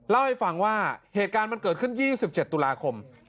เล่าให้ฟังว่าเหตุการณ์มันเกิดขึ้น๒๗ตุลาคม